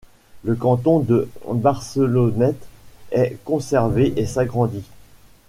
Le canton de Barcelonnette est conservé et s'agrandit.